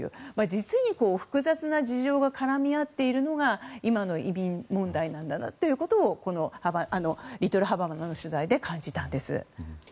実に複雑な事情が絡み合っているのが今の移民問題なんだなということをリトルハバナの取材で感じたんです。